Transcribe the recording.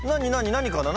何かな？